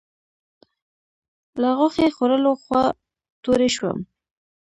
له غوښې خوړلو خوا توری شوم.